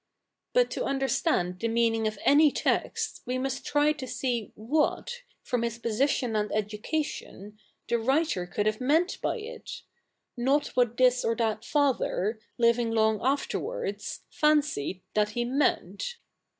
But to understand the meanifig of any text, we must try to see what, from his position and educa tion, the writer could have meant by it ; not what this or that Father, living long afterwards, fancied that he meant.